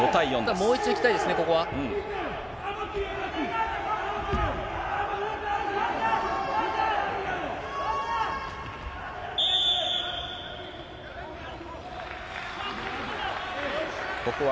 もう一度いきたいですね、ここは。